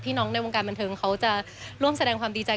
น้องในวงการบันเทิงเขาจะร่วมแสดงความดีใจ